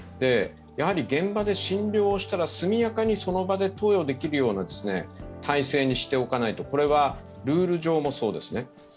やはり現場で診療したら速やかにその場で投与できるような体制にしておかないと、これはルール上もそうですね。